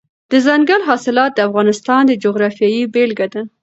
دځنګل حاصلات د افغانستان د جغرافیې بېلګه ده.